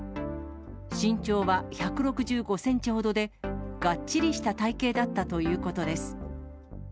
身長は１６５センチほどで、がっちりした体形だったということです。